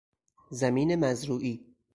زمین مزروعی